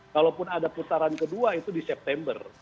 kalaupun ada putaran kedua itu di september